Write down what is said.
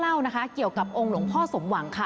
เล่านะคะเกี่ยวกับองค์หลวงพ่อสมหวังค่ะ